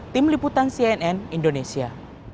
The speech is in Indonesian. tim liputan cnn indonesia